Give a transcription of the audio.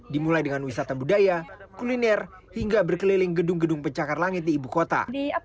dimulai dengan wisata budaya kuliner hingga berkeliling gedung gedung pencakar langit di ibu kota